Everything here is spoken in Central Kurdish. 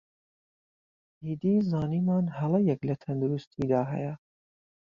ئیدی زانیمان هەڵەیەک لە تەندروستیدا هەیە